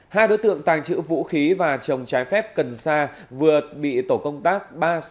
hai đối tượng tàng trữ vũ khí và trồng trái phép cần sa vừa bị tổ công tác ba trăm sáu mươi ba